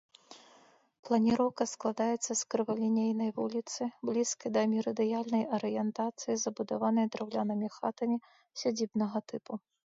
Планіроўка складаецца з крывалінейнай вуліцы, блізкай да мерыдыянальнай арыентацыі забудаванай драўлянымі хатамі сядзібнага тыпу.